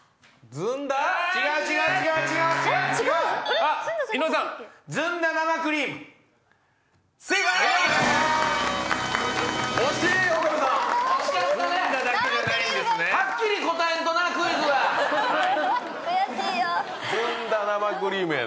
「ずんだ生クリーム」やねん。